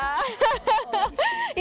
iya harus begitu